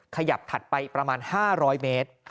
ขยับถัดไปประมาณ๕๐๐เมตร